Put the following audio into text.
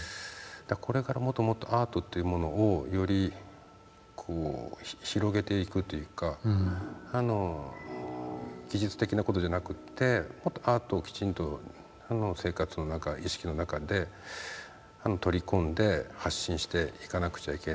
これからもっともっとアートっていうものをより広げていくというか技術的な事じゃなくってもっとアートをきちんと生活の中意識の中で取り込んで発信していかなくちゃいけない。